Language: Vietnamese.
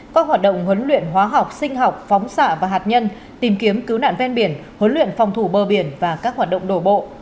các hoạt động huấn luyện hóa học sinh học phóng xạ và hạt nhân tìm kiếm cứu nạn ven biển huấn luyện phòng thủ bờ biển và các hoạt động đổ bộ